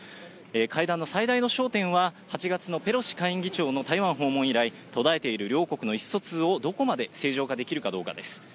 会談の最大の焦点は、８月のペロシ下院議長の台湾訪問以来、途絶えている両国の意思疎通をどこまで正常化できるかどうかです。